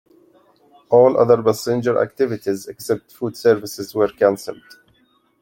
All other passenger activities except food service were cancelled.